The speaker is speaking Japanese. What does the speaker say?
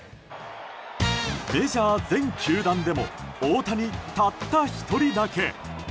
メジャー全球団でも大谷たった１人だけ。